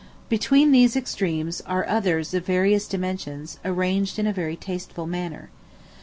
Between these extremes are others of various dimensions, arranged in a very tasteful manner.